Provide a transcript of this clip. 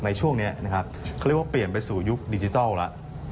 ในช่วงนี้นะครับเขาเรียกว่าเปลี่ยนไปสู่ยุคดิจิทัลแล้ว